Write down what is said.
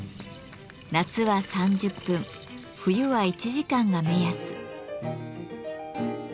夏は３０分冬は１時間が目安。